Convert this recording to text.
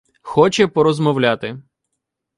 Хоче порозмовляти.